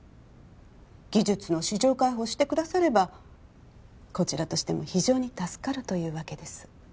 技術の市場開放をしてくださればこちらとしても非常に助かるというわけです